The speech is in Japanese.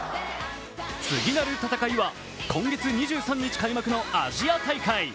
次なる戦いは、今月２３日開幕のアジア大会。